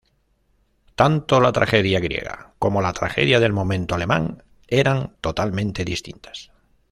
Tanto la tragedia griega como la tragedia del momento alemán eran totalmente distintas.